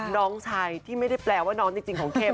น้องชายที่ไม่ได้แปลว่าน้องจริงของเข้ม